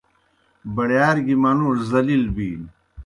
بڑِیار گیْ منُوڙوْ ذلیل بِینوْ۔